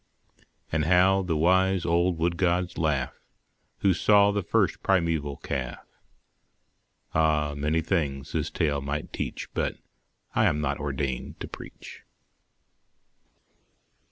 But how the wise old wood gods laugh, Who saw the first primeval calf! Ah! many things this tale might teach But I am not ordained to preach.